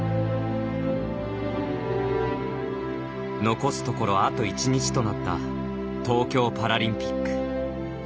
残すところあと１日となった東京パラリンピック。